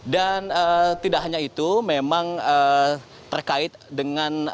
dan tidak hanya itu memang terkait dengan saungnya